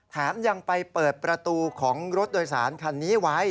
แถมยังไปเปิดประตูของรถโดยสารคันนี้ไว้